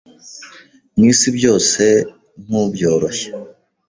mu isi byose nku byoroshya